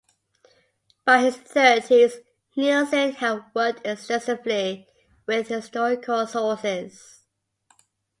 By his thirties Neilson had worked extensively with historical sources.